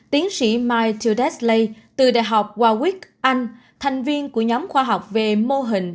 tiến sĩ mike tildesley từ đại học warwick anh thành viên của nhóm khoa học về mô hình